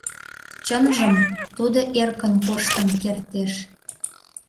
Чынжым, тудо эркын коштын кертеш.